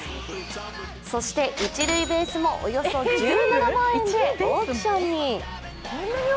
そして一塁ベースもおよそ１７万円でオークションに。